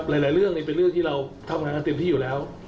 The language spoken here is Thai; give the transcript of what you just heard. หลายเรื่องเป็นเรื่องที่เราทำงานกันเต็มที่อยู่แล้ว